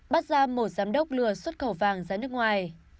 bắt ra một giám đốc lừa xuất khẩu vàng ra nước ngoài